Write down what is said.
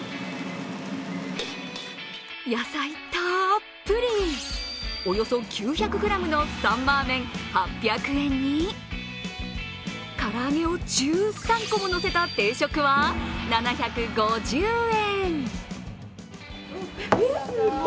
野菜たっぷり、およそ９００ｇのサンマーメン８００円に唐揚げを１３個ものせた定食は７５０円。